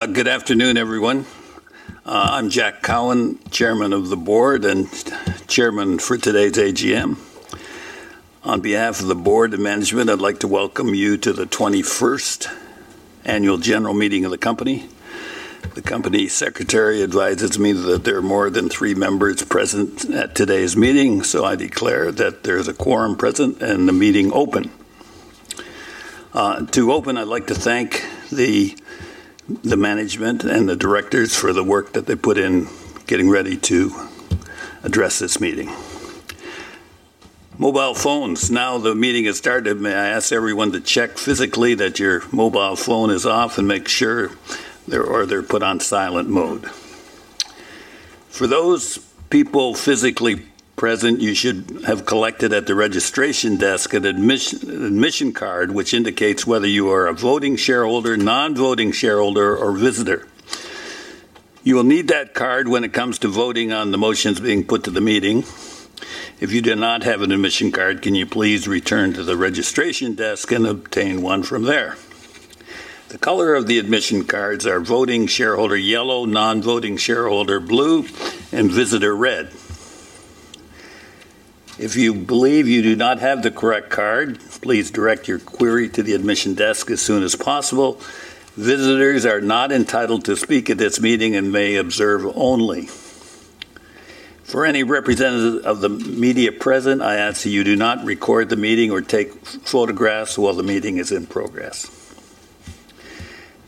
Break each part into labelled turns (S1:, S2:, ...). S1: Good afternoon, everyone. I'm Jack Cowin, Chairman of the Board and Chairman for today's AGM. On behalf of the Board of Management, I'd like to welcome you to the 21st Annual General Meeting of the company. The Company Secretary advises me that there are more than three members present at today's meeting, so I declare that there is a quorum present and the meeting open. To open, I'd like to thank the management and the directors for the work that they put in getting ready to address this meeting. Mobile phones, now the meeting has started, may I ask everyone to check physically that your mobile phone is off and make sure they're put on silent mode. For those people physically present, you should have collected at the registration desk an admission card which indicates whether you are a voting shareholder, non-voting shareholder, or visitor. You will need that card when it comes to voting on the motions being put to the meeting. If you do not have an admission card, can you please return to the registration desk and obtain one from there? The color of the admission cards are voting shareholder yellow, non-voting shareholder blue, and visitor red. If you believe you do not have the correct card, please direct your query to the admission desk as soon as possible. Visitors are not entitled to speak at this meeting and may observe only. For any representatives of the media present, I ask that you do not record the meeting or take photographs while the meeting is in progress.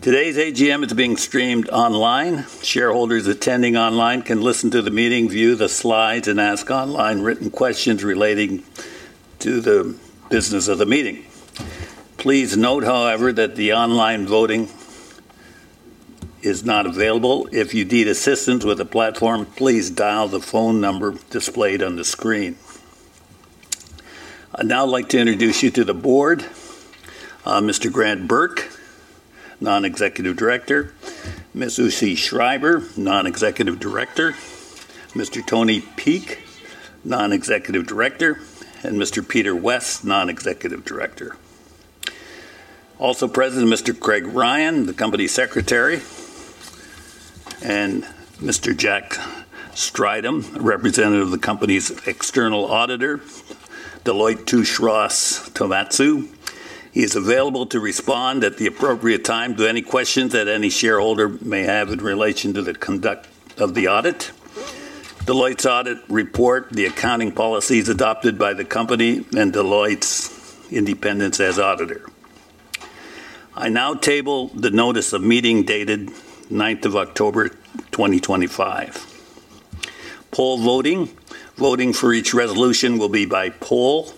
S1: Today's AGM is being streamed online. Shareholders attending online can listen to the meeting, view the slides, and ask online written questions relating to the business of the meeting. Please note, however, that the online voting is not available. If you need assistance with a platform, please dial the phone number displayed on the screen. I'd now like to introduce you to the board, Mr. Grant Bourke, Non-Executive Director, Ms. Uschi Schreiber, Non-Executive Director, Mr. Tony Peake, Non-Executive Director, and Mr. Peter West, Non-Executive Director. Also present, Mr. Craig Ryan, the Company Secretary, and Mr. Jacques Strydom, representative of the company's external auditor, Deloitte Touche Tohmatsu. He is available to respond at the appropriate time to any questions that any shareholder may have in relation to the conduct of the audit, Deloitte's audit report, the accounting policies adopted by the company, and Deloitte's independence as auditor. I now table the notice of meeting dated 9th of October, 2025. Poll voting. Voting for each resolution will be by poll.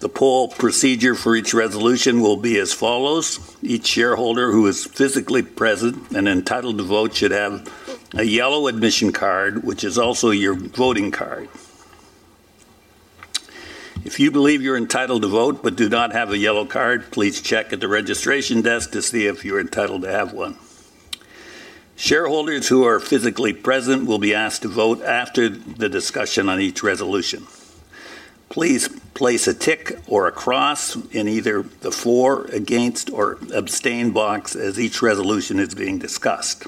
S1: The poll procedure for each resolution will be as follows. Each shareholder who is physically present and entitled to vote should have a yellow admission card, which is also your voting card. If you believe you're entitled to vote but do not have a yellow card, please check at the registration desk to see if you're entitled to have one. Shareholders who are physically present will be asked to vote after the discussion on each resolution. Please place a tick or a cross in either the for, against, or abstain box as each resolution is being discussed.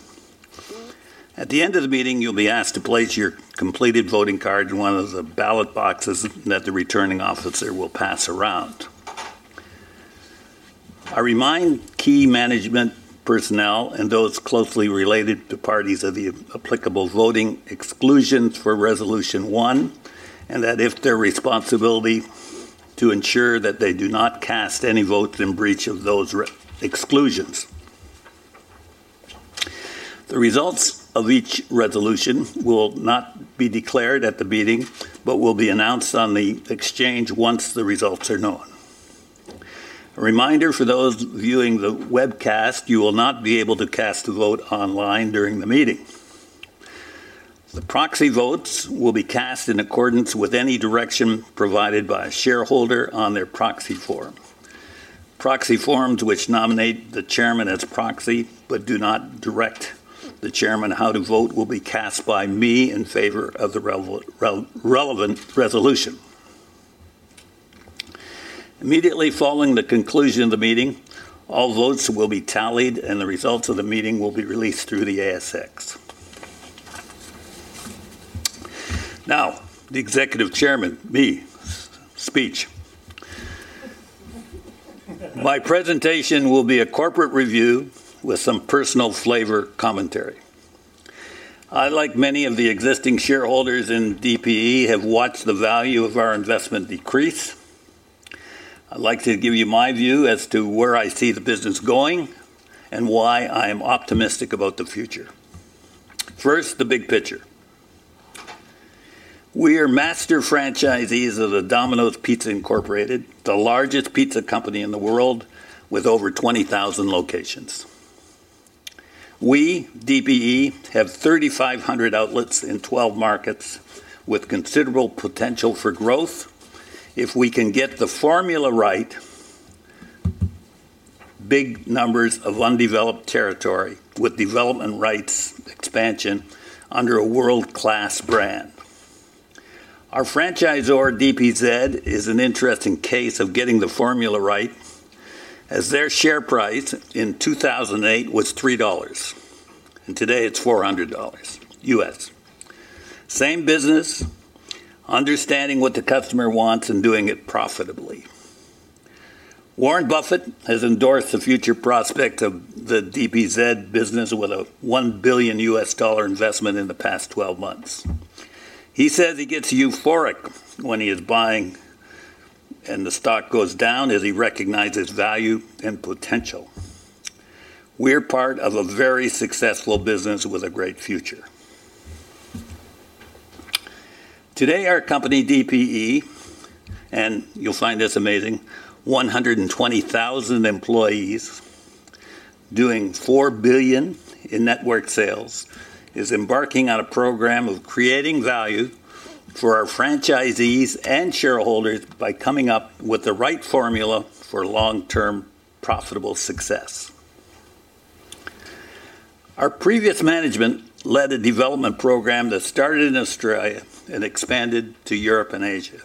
S1: At the end of the meeting, you'll be asked to place your completed voting card in one of the ballot boxes that the returning officer will pass around. I remind key management personnel and those closely related to parties of the applicable voting exclusions for resolution one and that it's their responsibility to ensure that they do not cast any votes in breach of those exclusions. The results of each resolution will not be declared at the meeting but will be announced on the exchange once the results are known. A reminder for those viewing the webcast, you will not be able to cast a vote online during the meeting. The proxy votes will be cast in accordance with any direction provided by a shareholder on their proxy form. Proxy forms which nominate the chairman as proxy but do not direct the chairman how to vote will be cast by me in favor of the relevant resolution. Immediately following the conclusion of the meeting, all votes will be tallied and the results of the meeting will be released through the ASX. Now, the Executive Chairman, me, speech. My presentation will be a corporate review with some personal flavor commentary. I, like many of the existing shareholders in DPE, have watched the value of our investment decrease. I'd like to give you my view as to where I see the business going and why I am optimistic about the future. First, the big picture. We are master franchisees of Domino's Pizza Incorporated, the largest pizza company in the world with over 20,000 locations. We, DPE, have 3,500 outlets in 12 markets with considerable potential for growth if we can get the formula right, big numbers of undeveloped territory with development rights expansion under a world-class brand. Our franchisor, DPZ, is an interesting case of getting the formula right as their share price in 2008 was $3 and today it's $400 US. Same business, understanding what the customer wants and doing it profitably. Warren Buffett has endorsed the future prospect of the DPZ business with a $1 billion investment in the past 12 months. He says he gets euphoric when he is buying and the stock goes down as he recognizes value and potential. We're part of a very successful business with a great future. Today, our company, DPE, and you'll find this amazing, 120,000 employees doing $4 billion in network sales, is embarking on a program of creating value for our franchisees and shareholders by coming up with the right formula for long-term profitable success. Our previous management led a development program that started in Australia and expanded to Europe and Asia.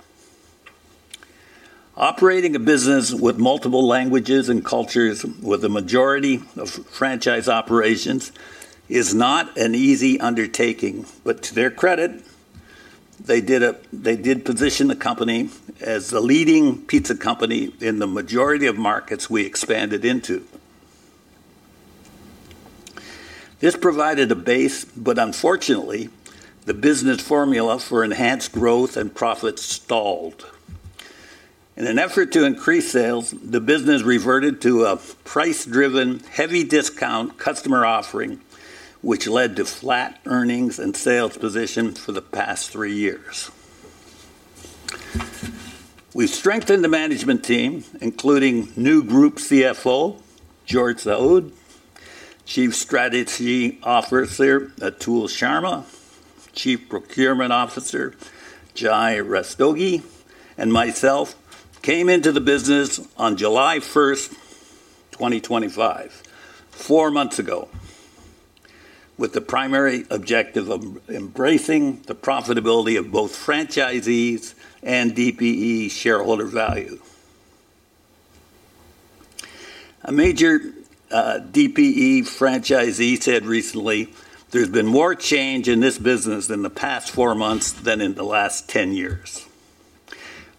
S1: Operating a business with multiple languages and cultures with a majority of franchise operations is not an easy undertaking, but to their credit, they did position the company as the leading pizza company in the majority of markets we expanded into. This provided a base, but unfortunately, the business formula for enhanced growth and profits stalled. In an effort to increase sales, the business reverted to a price-driven, heavy-discount customer offering, which led to flat earnings and sales position for the past three years. We've strengthened the management team, including new Group CFO, George Saoud, Chief Strategy Officer Atul Sharma, Chief Procurement Officer Jai Rastogi, and myself came into the business on July 1, 2025, four months ago with the primary objective of embracing the profitability of both franchisees and DPE shareholder value. A major DPE franchisee said recently, "There's been more change in this business in the past four months than in the last 10 years."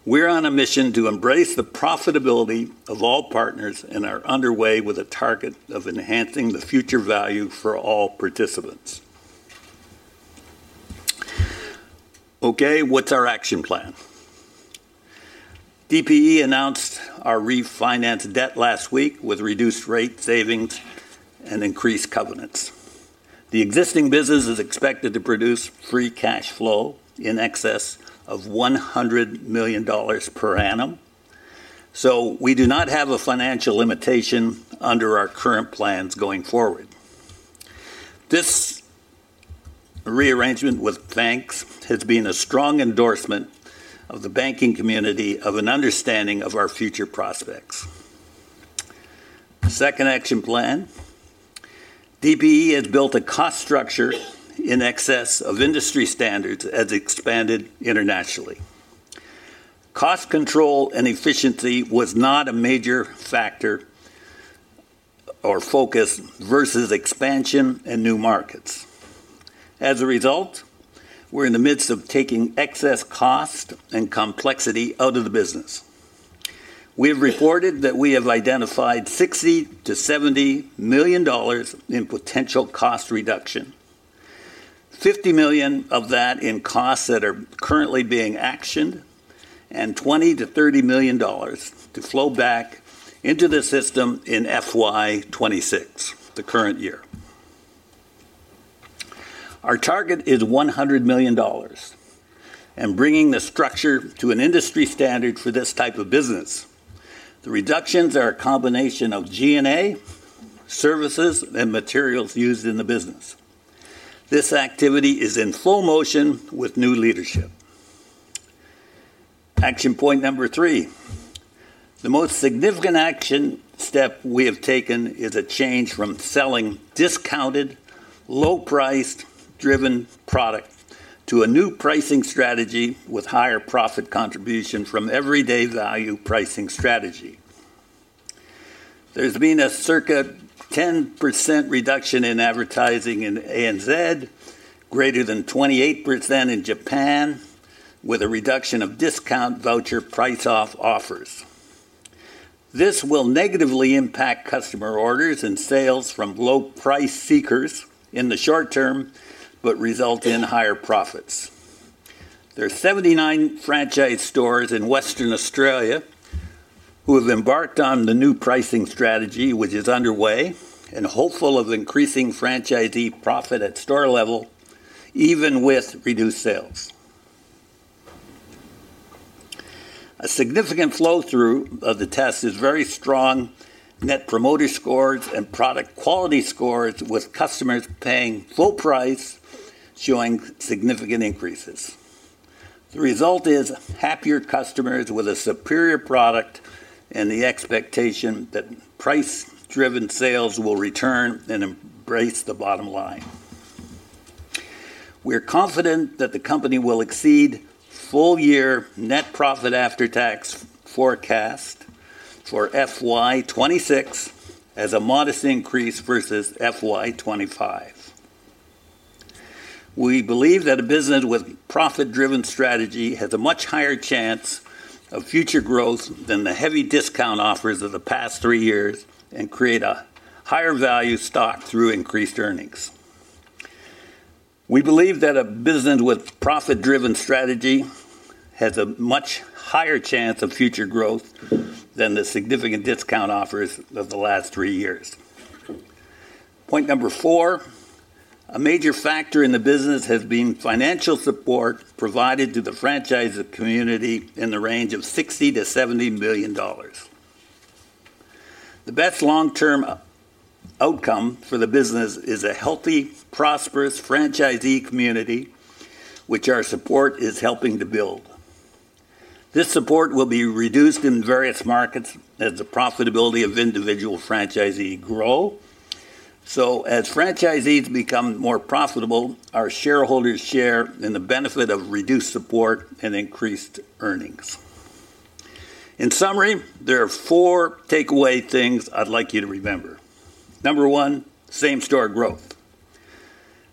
S1: We're on a mission to embrace the profitability of all partners and are underway with a target of enhancing the future value for all participants. Okay, what's our action plan? DPE announced our refinanced debt last week with reduced rate savings and increased covenants. The existing business is expected to produce free cash flow in excess of $100 million per annum, so we do not have a financial limitation under our current plans going forward. This rearrangement with banks has been a strong endorsement of the banking community of an understanding of our future prospects. Second action plan, DPE has built a cost structure in excess of industry standards as expanded internationally. Cost control and efficiency was not a major factor or focus versus expansion and new markets. As a result, we're in the midst of taking excess cost and complexity out of the business. We have reported that we have identified $60 million-$70 million in potential cost reduction, $50 million of that in costs that are currently being actioned, and $20 million-$30 million to flow back into the system in FY26, the current year. Our target is $100 million and bringing the structure to an industry standard for this type of business. The reductions are a combination of G&A, services, and materials used in the business. This activity is in slow motion with new leadership. Action point number three, the most significant action step we have taken is a change from selling discounted, low-priced, driven product to a new pricing strategy with higher profit contribution from everyday value pricing strategy. There's been a circa 10% reduction in advertising in ANZ, greater than 28% in Japan, with a reduction of discount voucher price-off offers. This will negatively impact customer orders and sales from low-price seekers in the short term but result in higher profits. There are 79 franchise stores in Western Australia who have embarked on the new pricing strategy, which is underway, and hopeful of increasing franchisee profit at store level even with reduced sales. A significant flow-through of the test is very strong net promoter scores and product quality scores with customers paying full price showing significant increases. The result is happier customers with a superior product and the expectation that price-driven sales will return and embrace the bottom line. We're confident that the company will exceed full-year net profit after-tax forecast for FY26 as a modest increase versus FY25. We believe that a business with profit-driven strategy has a much higher chance of future growth than the heavy discount offers of the past three years and create a higher value stock through increased earnings. We believe that a business with profit-driven strategy has a much higher chance of future growth than the significant discount offers of the last three years. Point number four, a major factor in the business has been financial support provided to the franchise community in the range of $60 million-$70 million. The best long-term outcome for the business is a healthy, prosperous franchisee community, which our support is helping to build. This support will be reduced in various markets as the profitability of individual franchisee grows. So as franchisees become more profitable, our shareholders share in the benefit of reduced support and increased earnings. In summary, there are four takeaway things I'd like you to remember. Number one, same-store growth.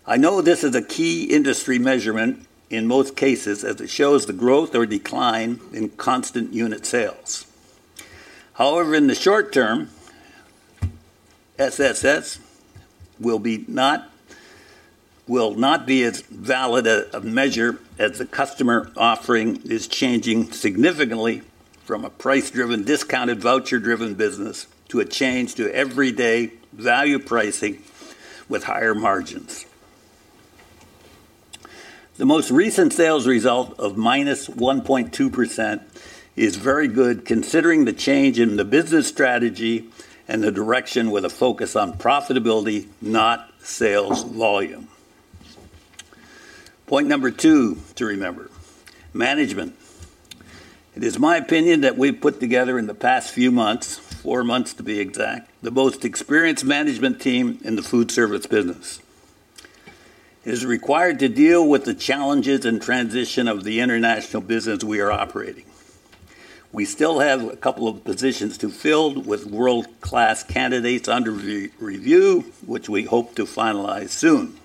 S1: I know this is a key industry measurement in most cases as it shows the growth or decline in constant unit sales. However, in the short term, SSS will not be as valid a measure as the customer offering is changing significantly from a price-driven, discounted voucher-driven business to a change to everyday value pricing with higher margins. The most recent sales result of -1.2% is very good considering the change in the business strategy and the direction with a focus on profitability, not sales volume. Point number two to remember, management. It is my opinion that we've put together in the past few months, four months to be exact, the most experienced management team in the food service business. It is required to deal with the challenges and transition of the international business we are operating. We still have a couple of positions to fill with world-class candidates under review, which we hope to finalize soon.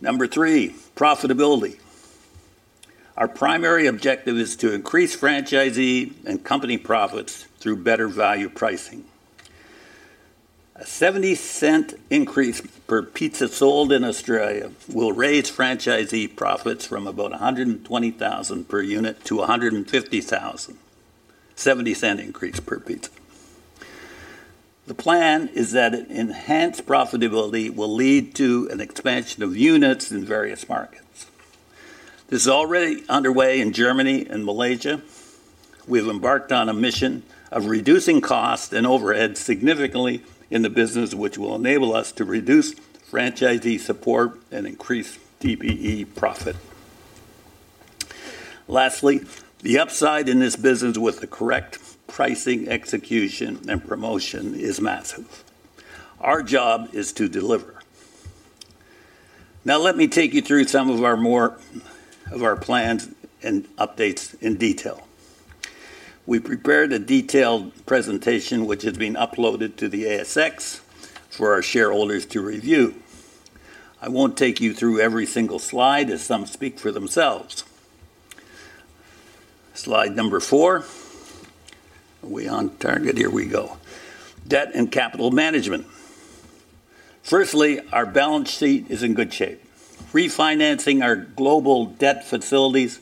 S1: Number three, profitability. Our primary objective is to increase franchisee and company profits through better value pricing. A $0.70 increase per pizza sold in Australia will raise franchisee profits from about $120,000 per unit to $150,000, a $0.70 increase per pizza. The plan is that enhanced profitability will lead to an expansion of units in various markets. This is already underway in Germany and Malaysia. We have embarked on a mission of reducing cost and overhead significantly in the business, which will enable us to reduce franchisee support and increase DPE profit. Lastly, the upside in this business with the correct pricing execution and promotion is massive. Our job is to deliver. Now, let me take you through some of our plans and updates in detail. We prepared a detailed presentation, which has been uploaded to the ASX for our shareholders to review. I won't take you through every single slide as some speak for themselves. Slide number four. Are we on target? Here we go. Debt and capital management. Firstly, our balance sheet is in good shape. Refinancing our global debt facilities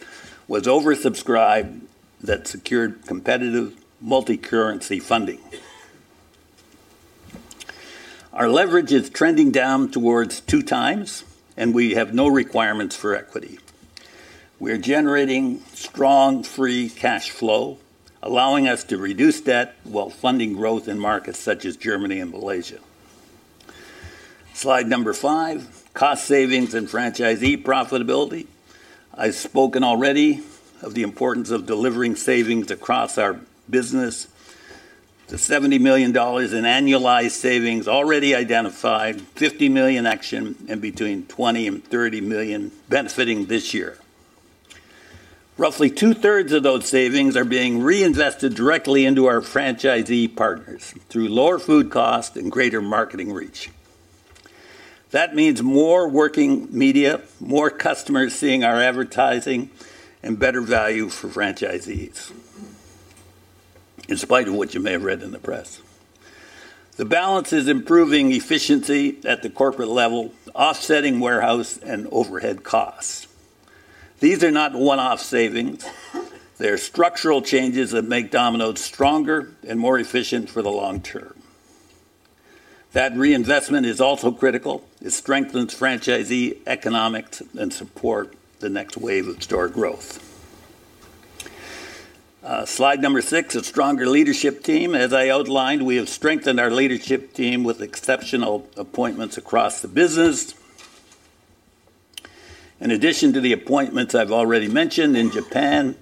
S1: was oversubscribed that secured competitive multicurrency funding. Our leverage is trending down towards 2x, and we have no requirements for equity. We are generating strong free cash flow, allowing us to reduce debt while funding growth in markets such as Germany and Malaysia. Slide number five, cost savings and franchisee profitability. I've spoken already of the importance of delivering savings across our business. The $70 million in annualized savings already identified, $50 million in action, and between $20 million-$30 million benefiting this year. Roughly two-thirds of those savings are being reinvested directly into our franchisee partners through lower food costs and greater marketing reach. That means more working media, more customers seeing our advertising, and better value for franchisees, in spite of what you may have read in the press. The balance is improving efficiency at the corporate level, offsetting warehouse and overhead costs. These are not one-off savings. They're structural changes that make Domino's stronger and more efficient for the long term. That reinvestment is also critical. It strengthens franchisee economics and supports the next wave of store growth. Slide number six is a stronger leadership team. As I outlined, we have strengthened our leadership team with exceptional appointments across the business. In addition to the appointments I've already mentioned in Japan,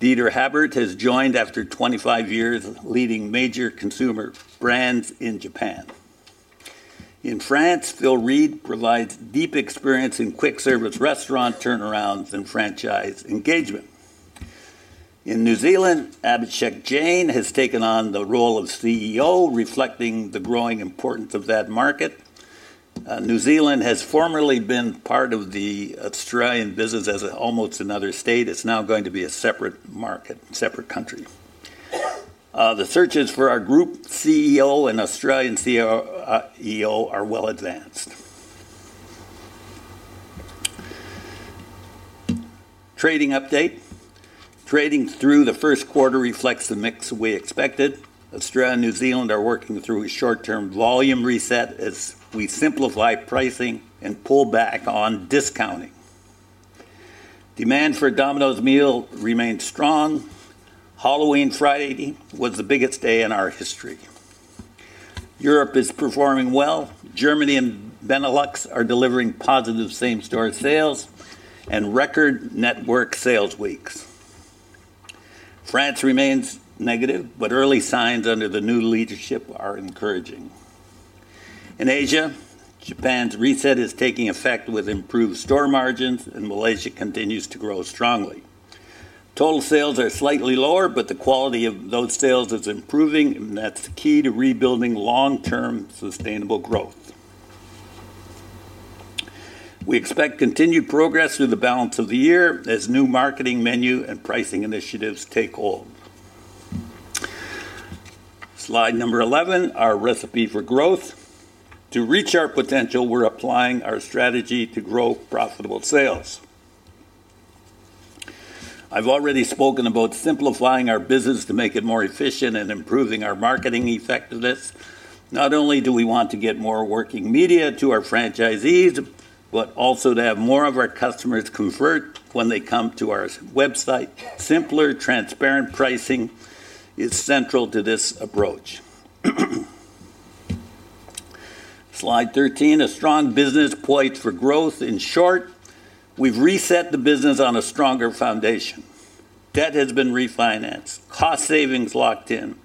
S1: Dieter Haberl has joined after 25 years leading major consumer brands in Japan. In France, Phil Reed provides deep experience in quick-service restaurant turnarounds and franchise engagement. In New Zealand, Abhishek Jain has taken on the role of CEO, reflecting the growing importance of that market. New Zealand has formerly been part of the Australian business as almost another state. It's now going to be a separate market, separate country. The searches for our Group CEO and Australian CEO are well advanced. Trading update. Trading through the first quarter reflects the mix we expected. Australia and New Zealand are working through a short-term volume reset as we simplify pricing and pull back on discounting. Demand for Domino's meal remains strong. Halloween Friday was the biggest day in our history. Europe is performing well. Germany and Benelux are delivering positive same-store sales and record network sales weeks. France remains negative, but early signs under the new leadership are encouraging. In Asia, Japan's reset is taking effect with improved store margins, and Malaysia continues to grow strongly. Total sales are slightly lower, but the quality of those sales is improving, and that's the key to rebuilding long-term sustainable growth. We expect continued progress through the balance of the year as new marketing menu and pricing initiatives take hold. Slide number 11, our recipe for growth. To reach our potential, we're applying our strategy to grow profitable sales. I've already spoken about simplifying our business to make it more efficient and improving our marketing effectiveness. Not only do we want to get more working media to our franchisees, but also to have more of our customers convert when they come to our website. Simpler, transparent pricing is central to this approach. Slide 13, a strong business point for growth. In short, we've reset the business on a stronger foundation. Debt has been refinanced, cost savings locked in,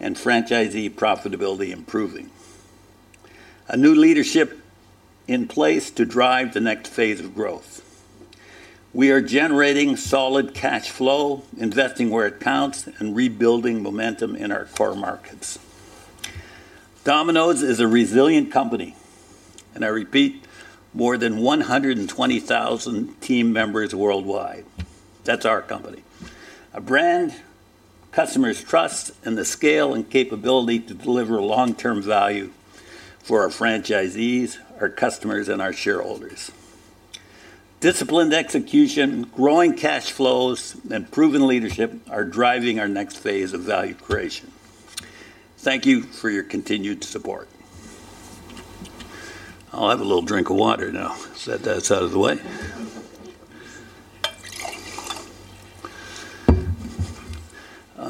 S1: and franchisee profitability improving. A new leadership in place to drive the next phase of growth. We are generating solid cash flow, investing where it counts, and rebuilding momentum in our core markets. Domino's is a resilient company, and I repeat, more than 120,000 team members worldwide. That's our company. A brand customers trust and the scale and capability to deliver long-term value for our franchisees, our customers, and our shareholders. Disciplined execution, growing cash flows, and proven leadership are driving our next phase of value creation. Thank you for your continued support. I'll have a little drink of water now. Set that out of the way.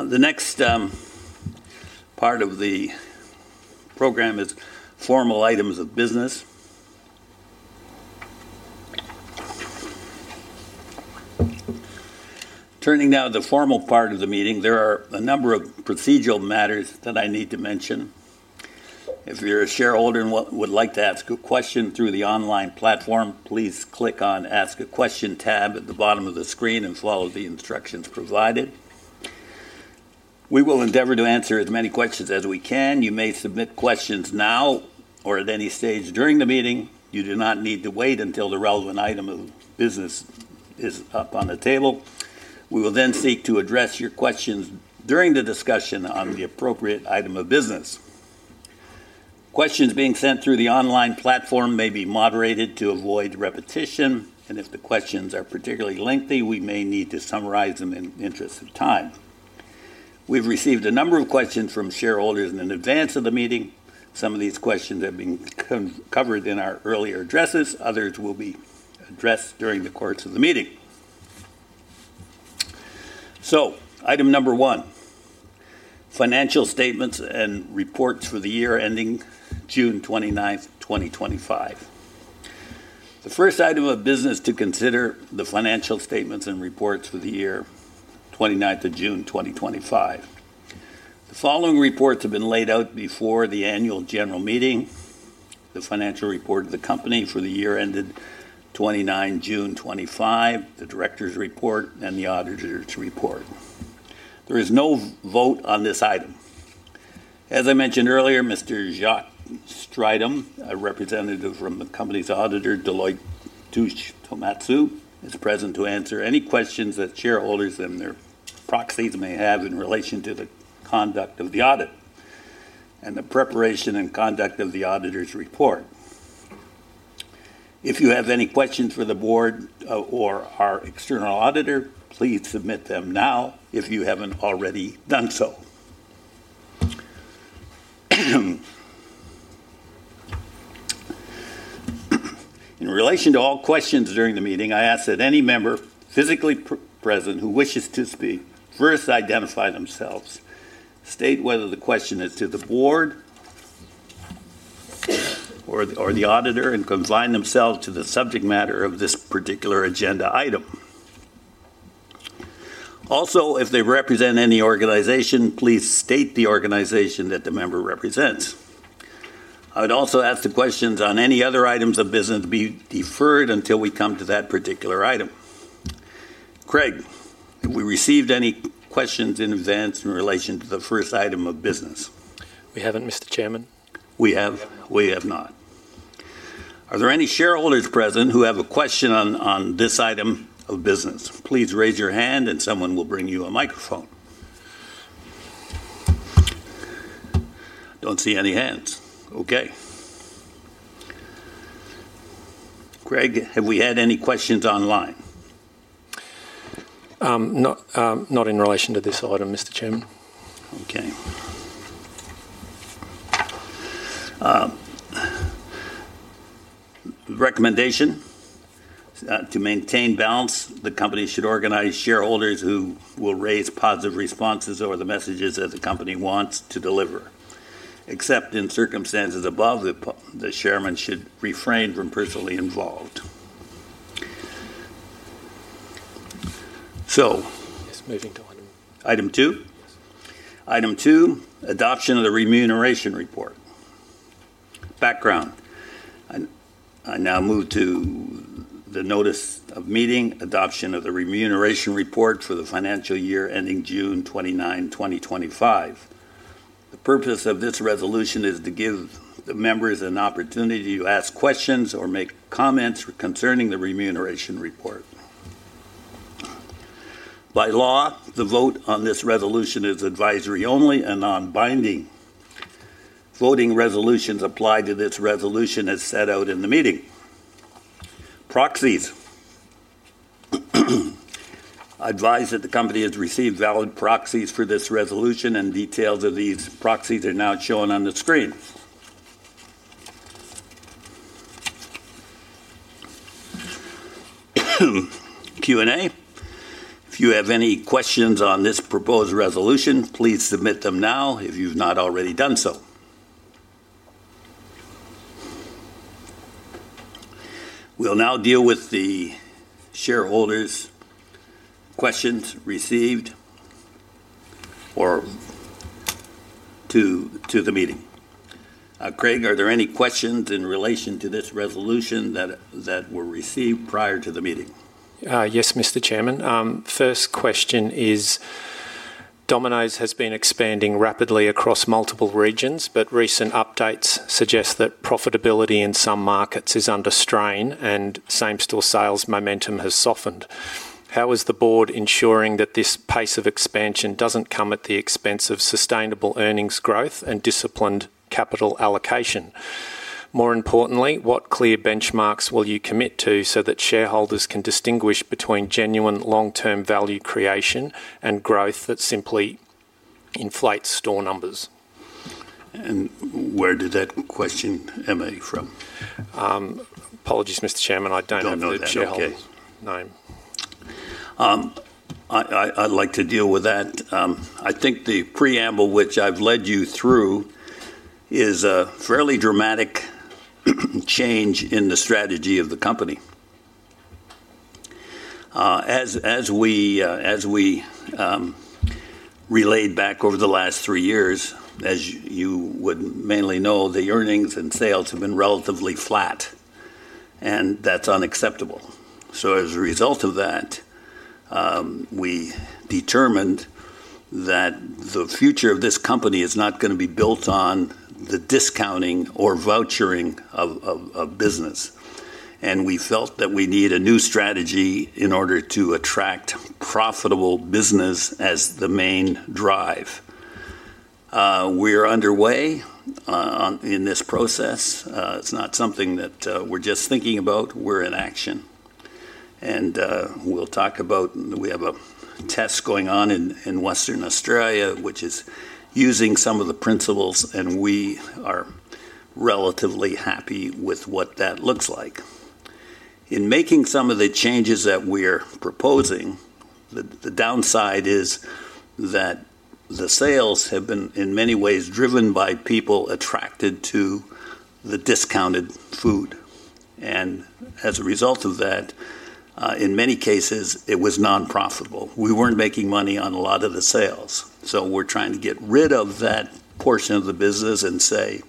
S1: The next part of the program is formal items of business. Turning now to the formal part of the meeting, there are a number of procedural matters that I need to mention. If you're a shareholder and would like to ask a question through the online platform, please click on the Ask a Question tab at the bottom of the screen and follow the instructions provided. We will endeavor to answer as many questions as we can. You may submit questions now or at any stage during the meeting. You do not need to wait until the relevant item of business is up on the table. We will then seek to address your questions during the discussion on the appropriate item of business. Questions being sent through the online platform may be moderated to avoid repetition, and if the questions are particularly lengthy, we may need to summarize them in the interest of time. We've received a number of questions from shareholders in advance of the meeting. Some of these questions have been covered in our earlier addresses. Others will be addressed during the course of the meeting. Item number one, financial statements and reports for the year ending June 29, 2025. The first item of business to consider is the financial statements and reports for the year June 29, 2025. The following reports have been laid out before the annual general meeting: the financial report of the company for the year ended June 29, 2025, the director's report, and the auditor's report. There is no vote on this item. As I mentioned earlier, Mr. Jacques Strydom, a representative from the company's auditor, Deloitte Touche Tohmatsu, is present to answer any questions that shareholders and their proxies may have in relation to the conduct of the audit and the preparation and conduct of the auditor's report. If you have any questions for the board or our external auditor, please submit them now if you haven't already done so. In relation to all questions during the meeting, I ask that any member physically present who wishes to speak first identify themselves, state whether the question is to the board or the auditor, and confine themselves to the subject matter of this particular agenda item. Also, if they represent any organization, please state the organization that the member represents. I would also ask the questions on any other items of business to be deferred until we come to that particular item. Craig, have we received any questions in advance in relation to the first item of business?
S2: We haven't, Mr. Chairman.
S1: We have? We have not. Are there any shareholders present who have a question on this item of business? Please raise your hand, and someone will bring you a microphone. I do not see any hands. Okay. Craig, have we had any questions online?
S2: Not in relation to this item, Mr. Chairman.
S1: Okay. Recommendation to maintain balance. The company should organize shareholders who will raise positive responses over the messages that the company wants to deliver. Except in circumstances above, the Chairman should refrain from personally involved.
S2: Yes, moving to item two.
S1: Item two, adoption of the remuneration report. Background. I now move to the notice of meeting, adoption of the remuneration report for the financial year ending June 29, 2025. The purpose of this resolution is to give the members an opportunity to ask questions or make comments concerning the remuneration report. By law, the vote on this resolution is advisory only and non-binding. Voting resolutions apply to this resolution as set out in the meeting. Proxies. I advise that the company has received valid proxies for this resolution, and details of these proxies are now shown on the screen. Q&A. If you have any questions on this proposed resolution, please submit them now if you've not already done so. We'll now deal with the shareholders' questions received to the meeting. Craig, are there any questions in relation to this resolution that were received prior to the meeting?
S2: Yes, Mr. Chairman. First question is, Domino's has been expanding rapidly across multiple regions, but recent updates suggest that profitability in some markets is under strain and same-store sales momentum has softened. How is the board ensuring that this pace of expansion doesn't come at the expense of sustainable earnings growth and disciplined capital allocation? More importantly, what clear benchmarks will you commit to so that shareholders can distinguish between genuine long-term value creation and growth that simply inflates store numbers?
S1: Where did that question emanate from?
S2: Apologies, Mr. Chairman. I don't know that shareholder's name.
S1: I'd like to deal with that. I think the preamble which I've led you through is a fairly dramatic change in the strategy of the company. As we relayed back over the last three years, as you would mainly know, the earnings and sales have been relatively flat, and that's unacceptable. As a result of that, we determined that the future of this company is not going to be built on the discounting or vouchering of business. We felt that we need a new strategy in order to attract profitable business as the main drive. We are underway in this process. It's not something that we're just thinking about. We're in action. We have a test going on in Western Australia, which is using some of the principles, and we are relatively happy with what that looks like. In making some of the changes that we're proposing, the downside is that the sales have been in many ways driven by people attracted to the discounted food. As a result of that, in many cases, it was non-profitable. We weren't making money on a lot of the sales. We are trying to get rid of that portion of the business and say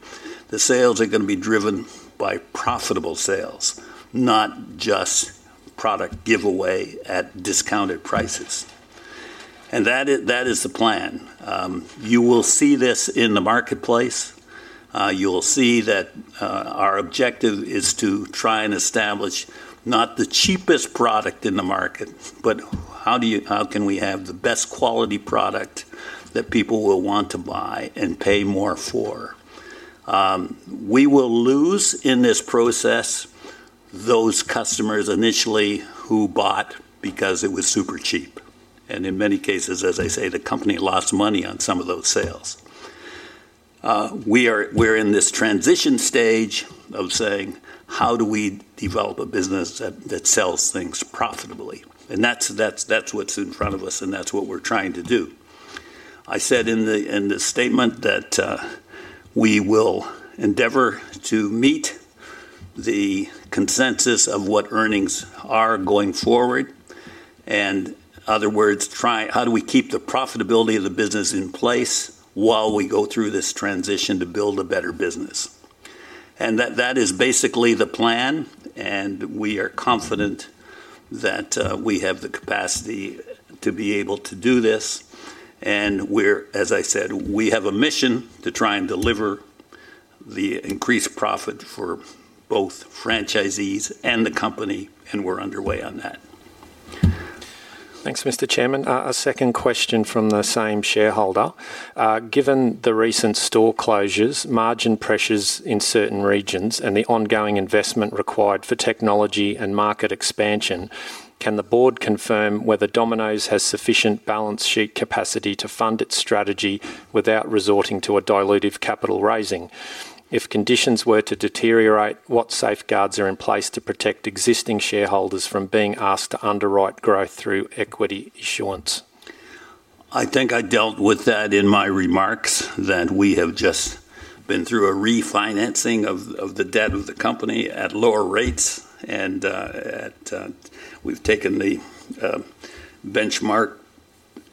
S1: the sales are going to be driven by profitable sales, not just product giveaway at discounted prices. That is the plan. You will see this in the marketplace. You will see that our objective is to try and establish not the cheapest product in the market, but how can we have the best quality product that people will want to buy and pay more for? We will lose in this process those customers initially who bought because it was super cheap. In many cases, as I say, the company lost money on some of those sales. We're in this transition stage of saying, how do we develop a business that sells things profitably? That is what's in front of us, and that's what we're trying to do. I said in the statement that we will endeavor to meet the consensus of what earnings are going forward. In other words, how do we keep the profitability of the business in place while we go through this transition to build a better business? That is basically the plan, and we are confident that we have the capacity to be able to do this. As I said, we have a mission to try and deliver the increased profit for both franchisees and the company, and we're underway on that.
S2: Thanks, Mr. Chairman. A second question from the same shareholder. Given the recent store closures, margin pressures in certain regions, and the ongoing investment required for technology and market expansion, can the board confirm whether Domino's has sufficient balance sheet capacity to fund its strategy without resorting to a dilutive capital raising? If conditions were to deteriorate, what safeguards are in place to protect existing shareholders from being asked to underwrite growth through equity issuance?
S1: I think I dealt with that in my remarks that we have just been through a refinancing of the debt of the company at lower rates, and we have taken the benchmark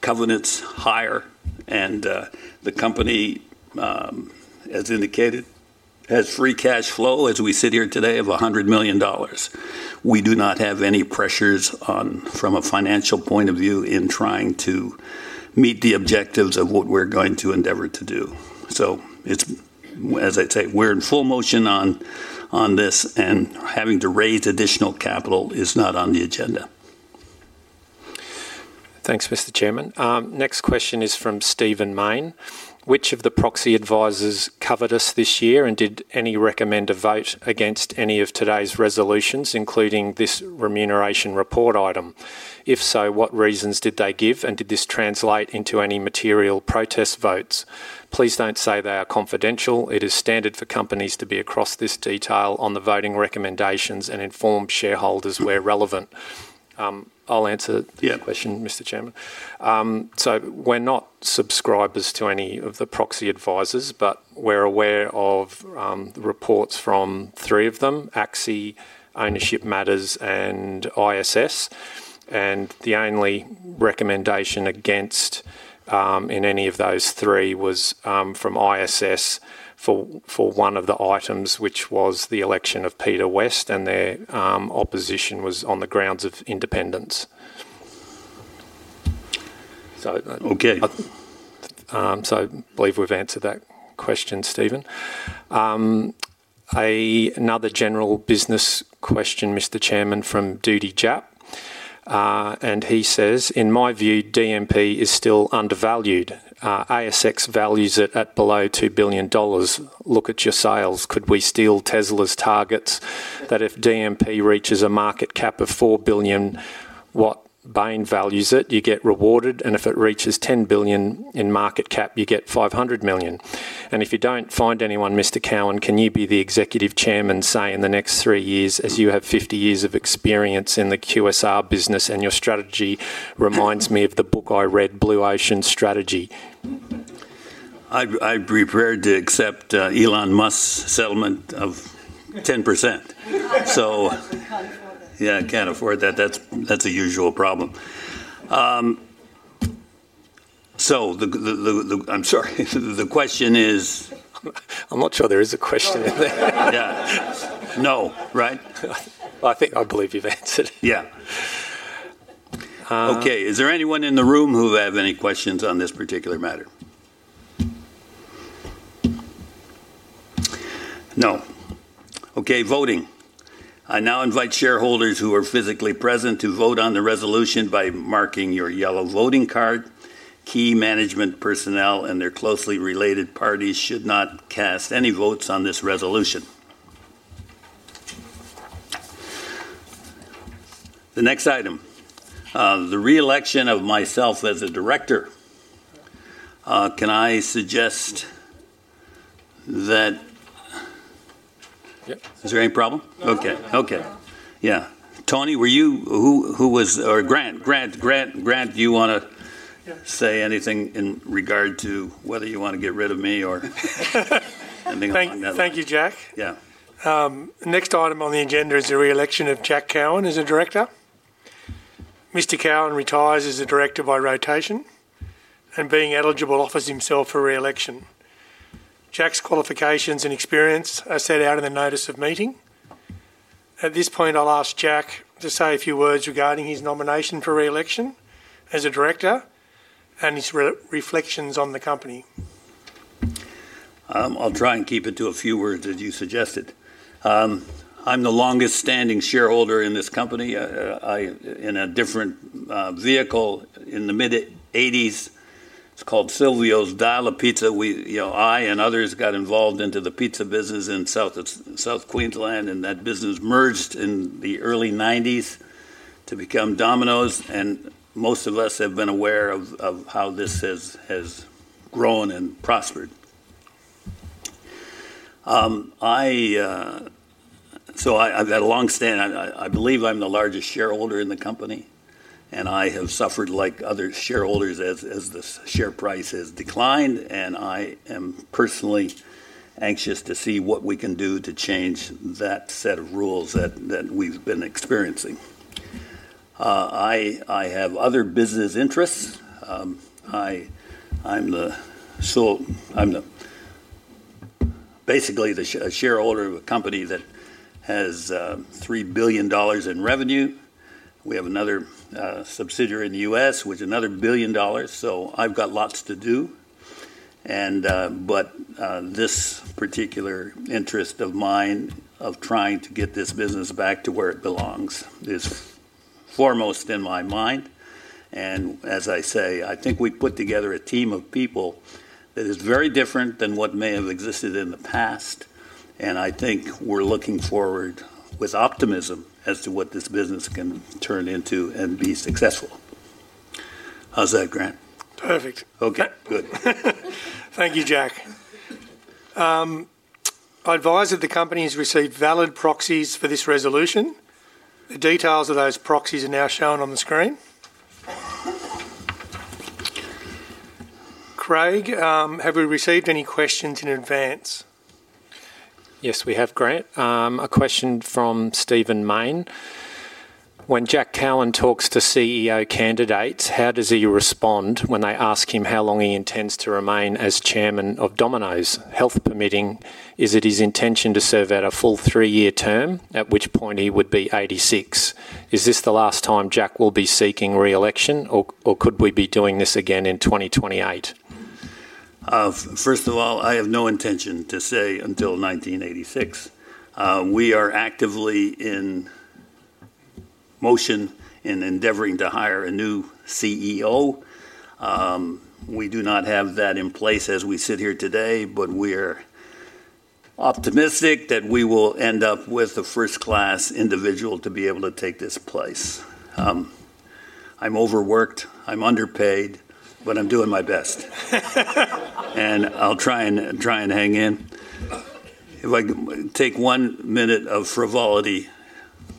S1: covenants higher. The company, as indicated, has free cash flow as we sit here today of $100 million. We do not have any pressures from a financial point of view in trying to meet the objectives of what we are going to endeavor to do. As I say, we are in full motion on this, and having to raise additional capital is not on the agenda.
S2: Thanks, Mr. Chairman. Next question is from Steven Main. Which of the proxy advisors covered us this year and did any recommend a vote against any of today's resolutions, including this remuneration report item? If so, what reasons did they give, and did this translate into any material protest votes? Please don't say they are confidential. It is standard for companies to be across this detail on the voting recommendations and inform shareholders where relevant. I'll answer this question, Mr. Chairman. We're not subscribers to any of the proxy advisors, but we're aware of reports from three of them, AXI, Ownership Matters, and ISS. The only recommendation against in any of those three was from ISS for one of the items, which was the election of Peter West, and their opposition was on the grounds of independence.
S1: Okay.
S2: I believe we've answered that question, Steven. Another general business question, Mr. Chairman, from Judy Japp. He says, "In my view, DMP is still undervalued. ASX values it at below $2 billion. Look at your sales. Could we steal Tesla's targets that if DMP reaches a market cap of $4 billion, what Bain values it, you get rewarded? And if it reaches $10 billion in market cap, you get $500 million. And if you don't find anyone, Mr. Cowin, can you be the Executive Chairman, say, in the next three years as you have 50 years of experience in the QSR business and your strategy reminds me of the book I read, Blue Ocean Strategy?
S1: I'm prepared to accept Elon Musk's settlement of 10%. Yeah, I can't afford that. That's a usual problem. I'm sorry. The question is.
S2: I'm not sure there is a question in there.
S1: Yeah. No. Right?
S2: I believe you've answered.
S1: Yeah. Okay. Is there anyone in the room who has any questions on this particular matter? No. Okay. Voting. I now invite shareholders who are physically present to vote on the resolution by marking your yellow voting card. Key management personnel and their closely related parties should not cast any votes on this resolution. The next item, the reelection of myself as a director. Can I suggest that.
S2: Yep.
S1: Is there any problem? Okay. Tony, were you or Grant, Grant, do you want to say anything in regard to whether you want to get rid of me or anything like that?
S2: Thank you, Jack.
S1: Yeah.
S3: Next item on the agenda is the reelection of Jack Cowin as a director. Mr. Cowin retires as a director by rotation and being eligible offers himself for reelection. Jack's qualifications and experience are set out in the notice of meeting. At this point, I'll ask Jack to say a few words regarding his nomination for reelection as a director and his reflections on the company.
S1: I'll try and keep it to a few words as you suggested. I'm the longest-standing shareholder in this company. In a different vehicle in the mid-1980s, it's called Silvio's Dial-a-Pizza. I and others got involved into the pizza business in South Queensland, and that business merged in the early 1990s to become Domino's. Most of us have been aware of how this has grown and prospered. I've got a long stand. I believe I'm the largest shareholder in the company, and I have suffered like other shareholders as the share price has declined. I am personally anxious to see what we can do to change that set of rules that we've been experiencing. I have other business interests. Basically, I'm a shareholder of a company that has $3 billion in revenue. We have another subsidiary in the U.S. with another $1 billion. I've got lots to do. This particular interest of mine of trying to get this business back to where it belongs is foremost in my mind. As I say, I think we put together a team of people that is very different than what may have existed in the past. I think we're looking forward with optimism as to what this business can turn into and be successful. How's that, Grant?
S3: Perfect.
S1: Okay. Good.
S3: Thank you, Jack. I advise that the company has received valid proxies for this resolution. The details of those proxies are now shown on the screen. Craig, have we received any questions in advance?
S2: Yes, we have, Grant. A question from Steven Main. When Jack Cowin talks to CEO candidates, how does he respond when they ask him how long he intends to remain as Chairman of Domino's? Health permitting, is it his intention to serve out a full three-year term, at which point he would be 86? Is this the last time Jack will be seeking reelection, or could we be doing this again in 2028?
S1: First of all, I have no intention to stay until 1986. We are actively in motion and endeavoring to hire a new CEO. We do not have that in place as we sit here today, but we are optimistic that we will end up with the first-class individual to be able to take this place. I'm overworked. I'm underpaid, but I'm doing my best. I'll try and hang in. If I can take one minute of frivolity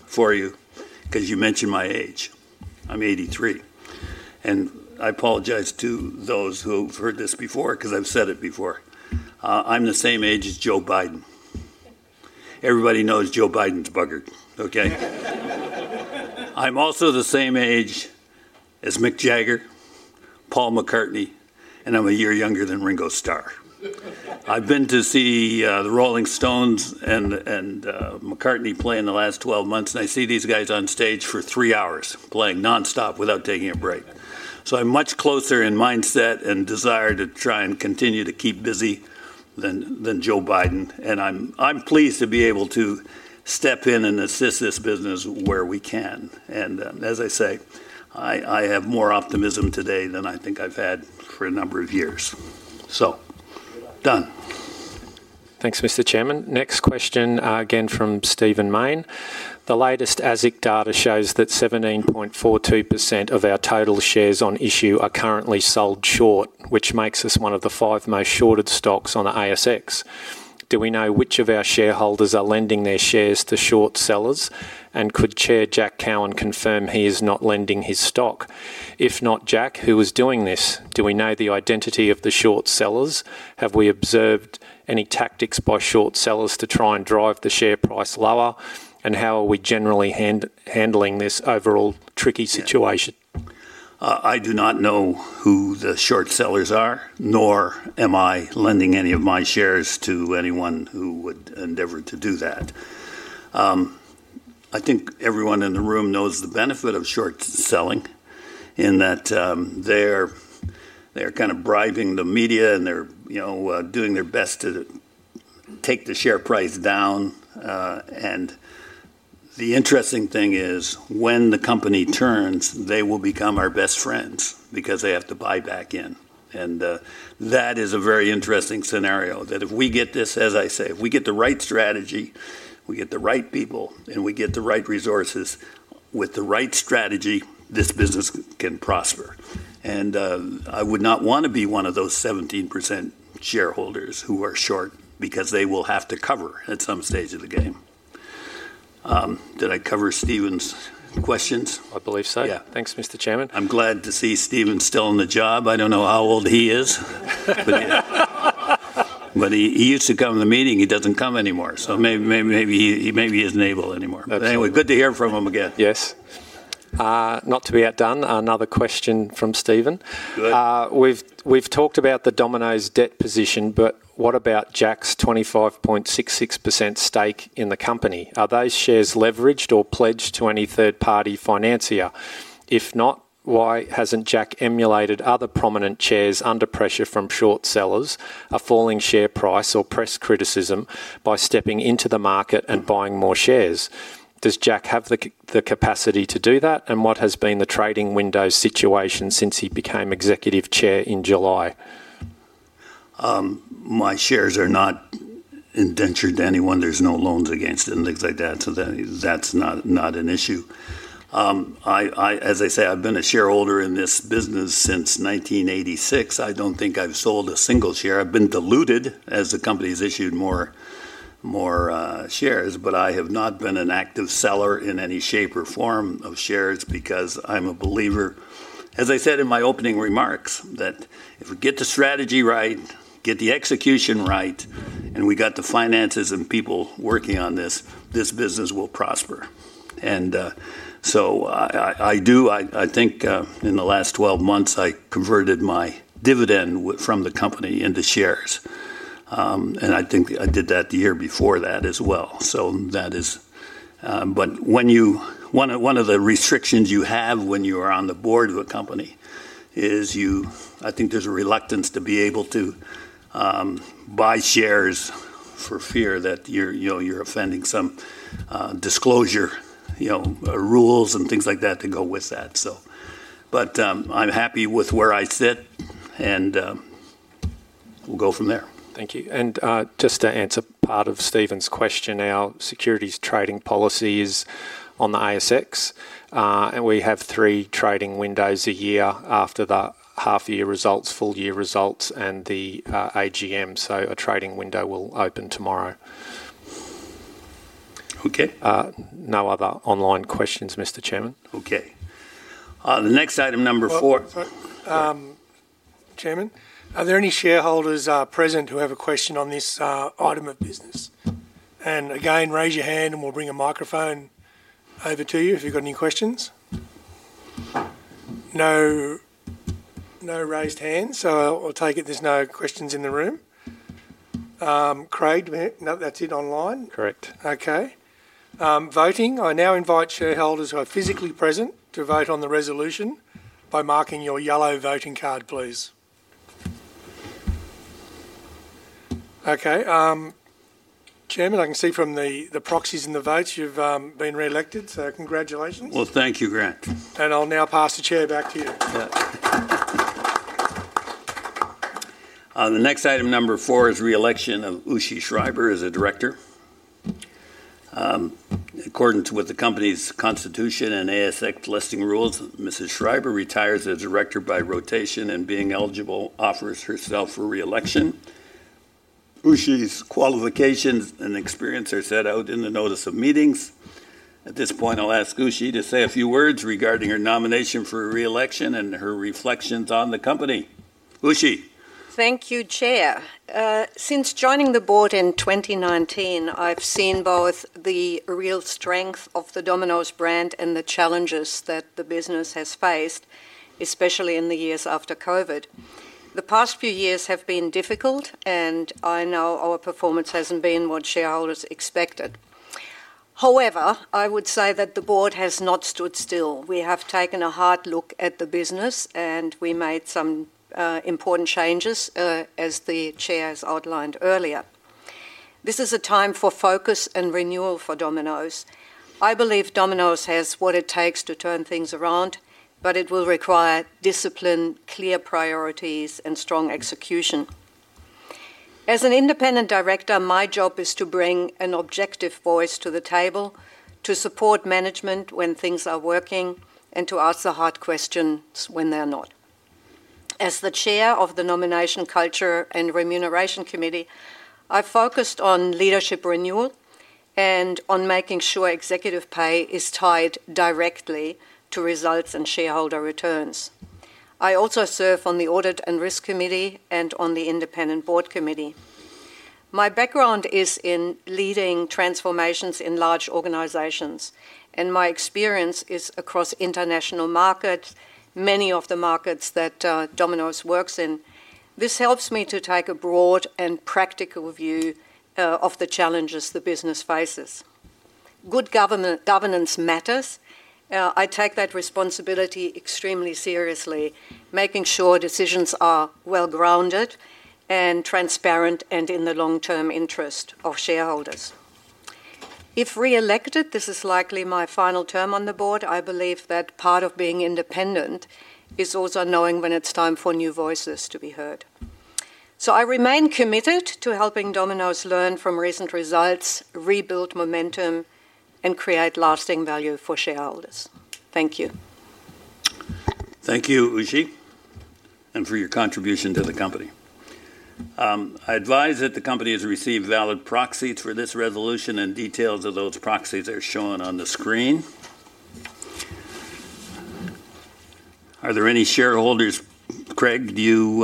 S1: for you because you mentioned my age. I'm 83. I apologize to those who have heard this before because I've said it before. I'm the same age as Joe Biden. Everybody knows Joe Biden's buggered, okay? I'm also the same age as Mick Jagger, Paul McCartney, and I'm a year younger than Ringo Starr. I've been to see the Rolling Stones and McCartney play in the last 12 months, and I see these guys on stage for three hours playing nonstop without taking a break. I am much closer in mindset and desire to try and continue to keep busy than Joe Biden. I am pleased to be able to step in and assist this business where we can. As I say, I have more optimism today than I think I've had for a number of years. Done.
S2: Thanks, Mr. Chairman. Next question again from Steven Main. The latest ASIC data shows that 17.42% of our total shares on issue are currently sold short, which makes us one of the five most shorted stocks on the ASX. Do we know which of our shareholders are lending their shares to short sellers? Could Chair Jack Cowin confirm he is not lending his stock? If not, Jack, who is doing this? Do we know the identity of the short sellers? Have we observed any tactics by short sellers to try and drive the share price lower? How are we generally handling this overall tricky situation?
S1: I do not know who the short sellers are, nor am I lending any of my shares to anyone who would endeavor to do that. I think everyone in the room knows the benefit of short selling in that they're kind of bribing the media, and they're doing their best to take the share price down. The interesting thing is when the company turns, they will become our best friends because they have to buy back in. That is a very interesting scenario that if we get this, as I say, if we get the right strategy, we get the right people, and we get the right resources with the right strategy, this business can prosper. I would not want to be one of those 17% shareholders who are short because they will have to cover at some stage of the game. Did I cover Steven's questions?
S2: I believe so.
S1: Yeah.
S2: Thanks, Mr. Chairman.
S1: I'm glad to see Steven still in the job. I don't know how old he is, but he used to come to the meeting. He doesn't come anymore. Maybe he isn't able anymore. Anyway, good to hear from him again.
S2: Yes. Not to be outdone, another question from Steven.
S1: Good.
S2: We've talked about the Domino's debt position, but what about Jack's 25.66% stake in the company? Are those shares leveraged or pledged to any third-party financier? If not, why hasn't Jack emulated other prominent chairs under pressure from short sellers, a falling share price, or press criticism by stepping into the market and buying more shares? Does Jack have the capacity to do that? What has been the trading window situation since he became Executive Chair in July?
S1: My shares are not indentured to anyone. There's no loans against it and things like that. That's not an issue. As I say, I've been a shareholder in this business since 1986. I don't think I've sold a single share. I've been diluted as the company has issued more shares, but I have not been an active seller in any shape or form of shares because I'm a believer, as I said in my opening remarks, that if we get the strategy right, get the execution right, and we got the finances and people working on this, this business will prosper. I do, I think in the last 12 months, I converted my dividend from the company into shares. I think I did that the year before that as well. That is, but one of the restrictions you have when you are on the board of a company is you, I think there's a reluctance to be able to buy shares for fear that you're offending some disclosure rules and things like that to go with that. But I'm happy with where I sit, and we'll go from there.
S2: Thank you. Just to answer part of Steven's question now, securities trading policy is on the ASX. We have three trading windows a year after the half-year results, full-year results, and the AGM. A trading window will open tomorrow.
S1: Okay.
S2: No other online questions, Mr. Chairman.
S1: Okay. The next item, number four.
S3: Chairman, are there any shareholders present who have a question on this item of business? Again, raise your hand, and we'll bring a microphone over to you if you've got any questions. No raised hands. I take it there's no questions in the room. Craig, that's it online.
S2: Correct.
S3: Okay. Voting. I now invite shareholders who are physically present to vote on the resolution by marking your yellow voting card, please. Okay. Chairman, I can see from the proxies and the votes you've been reelected. So congratulations.
S1: Thank you, Grant.
S3: I'll now pass the chair back to you.
S1: Yeah. The next item, number four, is reelection of Uschi Schreiber as a director. According to what the company's constitution and ASX listing rules, Mrs. Schreiber retires as director by rotation and being eligible offers herself for reelection. Uschi's qualifications and experience are set out in the notice of meetings. At this point, I'll ask Uschi to say a few words regarding her nomination for reelection and her reflections on the company. Uschi.
S4: Thank you, Chair. Since joining the board in 2019, I've seen both the real strength of the Domino's brand and the challenges that the business has faced, especially in the years after COVID. The past few years have been difficult, and I know our performance hasn't been what shareholders expected. However, I would say that the board has not stood still. We have taken a hard look at the business, and we made some important changes as the Chair has outlined earlier. This is a time for focus and renewal for Domino's. I believe Domino's has what it takes to turn things around, but it will require discipline, clear priorities, and strong execution. As an independent director, my job is to bring an objective voice to the table, to support management when things are working, and to ask the hard questions when they're not. As the chair of the Nomination, Culture, and Remuneration Committee, I focused on leadership renewal and on making sure executive pay is tied directly to results and shareholder returns. I also serve on the Audit and Risk Committee and on the Independent Board Committee. My background is in leading transformations in large organizations, and my experience is across international markets, many of the markets that Domino's works in. This helps me to take a broad and practical view of the challenges the business faces. Good governance matters. I take that responsibility extremely seriously, making sure decisions are well-grounded and transparent and in the long-term interest of shareholders. If reelected, this is likely my final term on the board. I believe that part of being independent is also knowing when it's time for new voices to be heard. I remain committed to helping Domino's learn from recent results, rebuild momentum, and create lasting value for shareholders. Thank you.
S1: Thank you, Uschi, and for your contribution to the company. I advise that the company has received valid proxies for this resolution, and details of those proxies are shown on the screen. Are there any shareholders? Craig, do you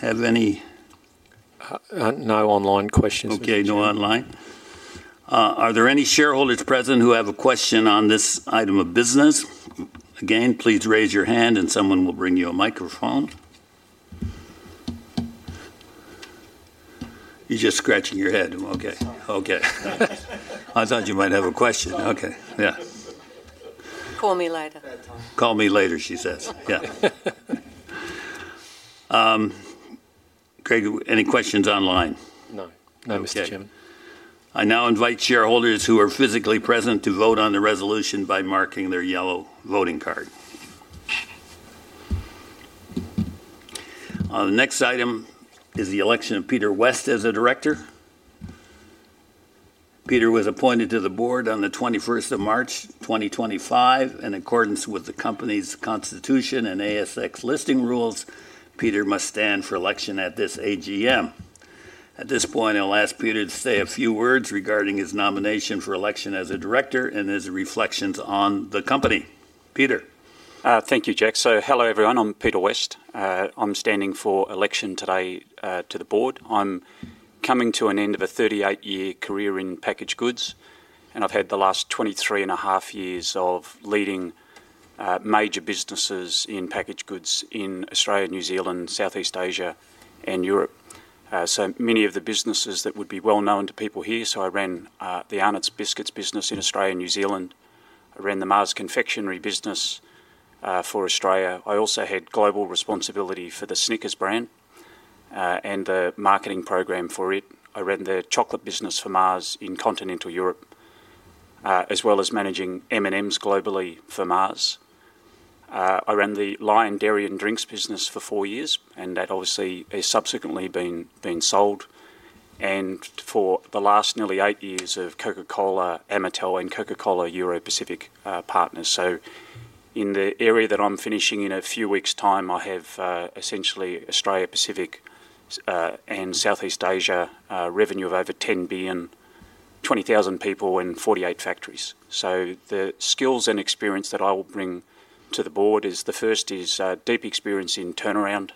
S1: have any?
S2: No online questions.
S1: Okay, no online. Are there any shareholders present who have a question on this item of business? Again, please raise your hand, and someone will bring you a microphone. You're just scratching your head. Okay. I thought you might have a question. Okay. Yeah.
S4: Call me later.
S1: Call me later, she says. Yeah. Craig, any questions online?
S2: No. No, Mr. Chairman.
S1: Okay. I now invite shareholders who are physically present to vote on the resolution by marking their yellow voting card. The next item is the election of Peter West as a director. Peter was appointed to the board on the 21st of March, 2025. In accordance with the company's constitution and ASX listing rules, Peter must stand for election at this AGM. At this point, I'll ask Peter to say a few words regarding his nomination for election as a director and his reflections on the company. Peter.
S5: Thank you, Jack. Hello, everyone. I'm Peter West. I'm standing for election today to the board. I'm coming to an end of a 38-year career in packaged goods, and I've had the last 23 and a half years of leading major businesses in packaged goods in Australia, New Zealand, Southeast Asia, and Europe. Many of the businesses would be well known to people here. I ran the Arnott's Biscuits business in Australia and New Zealand. I ran the Mars Confectionery business for Australia. I also had global responsibility for the Snickers brand and the marketing program for it. I ran the chocolate business for Mars in continental Europe, as well as managing M&Ms globally for Mars. I ran the Lion Dairy and Drinks business for four years, and that obviously has subsequently been sold. For the last nearly eight years of Coca-Cola Amatil and Coca-Cola Europacific Partners, in the area that I'm finishing in a few weeks' time, I have essentially Australia Pacific and Southeast Asia revenue of over $10 billion, 20,000 people, and 48 factories. The skills and experience that I will bring to the board is the first is deep experience in turnaround,